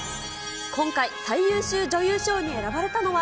今回、最優秀女優賞に選ばれたのは。